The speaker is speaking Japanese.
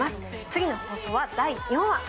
次の放送は第４話。